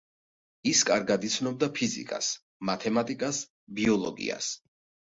ის კარგად იცნობდა ფიზიკას, მათემატიკას, ბიოლოგიას.